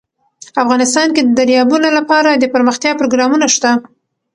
افغانستان کې د دریابونه لپاره دپرمختیا پروګرامونه شته.